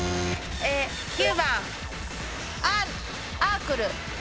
９番アーアークル。